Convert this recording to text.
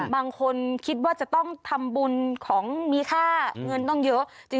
บางคนคิดว่าจะต้องทำบุญของมีค่าเงินต้องเยอะ